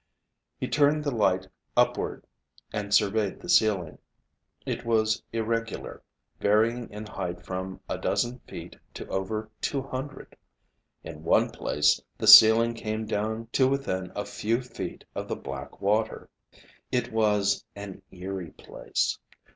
He turned the light upward and surveyed the ceiling. It was irregular, varying in height from a dozen feet to over two hundred. In one place, the ceiling came down to within a few feet of the black water. It was an eerie place.